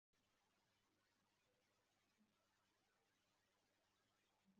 Itsinda umugabo ufite numero zometse kumashati yiruka mumarushanwa